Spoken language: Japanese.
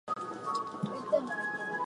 山形県舟形町